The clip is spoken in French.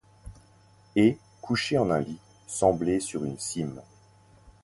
Et, couchée en un lit, semblait sur une cime.